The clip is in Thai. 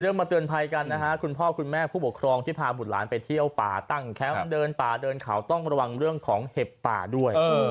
มาเตือนภัยกันนะฮะคุณพ่อคุณแม่ผู้ปกครองที่พาบุตรหลานไปเที่ยวป่าตั้งแคมป์เดินป่าเดินเขาต้องระวังเรื่องของเห็บป่าด้วย